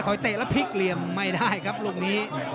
เตะแล้วพลิกเหลี่ยมไม่ได้ครับลูกนี้